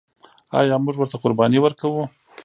آیا موږ ورته قرباني ورکوو؟